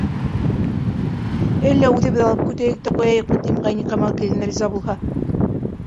Әллә үҙебеҙ алып көтәйек тә ҡуяйыҡмы, тим, Ғәйникамал килен риза булһа.